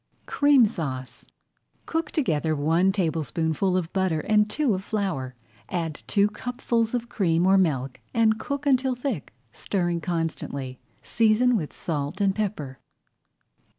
CREAM SAUCE Cook together one tablespoonful of butter and two of flour. Add two cupfuls of cream or milk and cook until thick, stirring constantly Season with salt and pepper.